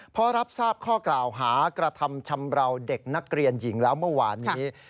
พอรับทราบข้อกล่าวหากระทำชำราวเด็กนักเรียนหญิงแล้วเมื่อวานนี้